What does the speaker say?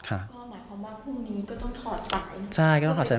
ก็หมายความว่าพรุ่งนี้ก็ต้องถอดไป